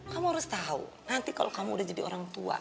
kamu harus tahu nanti kalau kamu udah jadi orang tua